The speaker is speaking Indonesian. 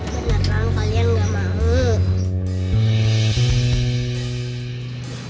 beneran kalian gak mau